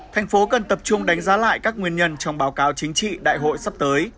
thành phố cần tập trung đánh giá lại các nguyên nhân trong báo cáo chính trị đại hội sắp tới